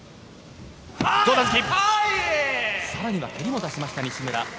更には蹴りも出しました、西村。